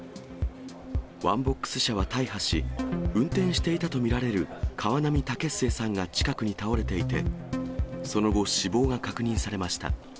ワンボックス車は大破し、運転していたと見られる河南武末さんが近くに倒れていて、その後、死亡が確認されました。